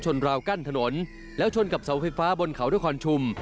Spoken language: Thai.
ราวกั้นถนนแล้วชนกับเสาไฟฟ้าบนเขานครชุม